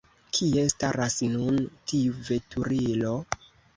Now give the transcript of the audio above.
Kie staras nun tiu veturilo?